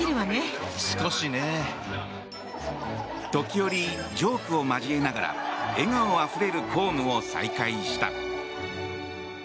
時折、ジョークを交えながら笑顔あふれる公務を再開した。